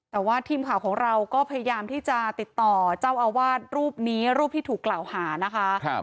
แต่ว่าทีมข่าวของเราก็พยายามที่จะติดต่อเจ้าอาวาสรูปนี้รูปที่ถูกกล่าวหานะคะ